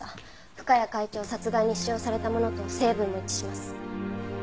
深谷会長殺害に使用されたものと成分も一致します。